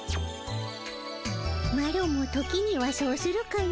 マロも時にはそうするかの。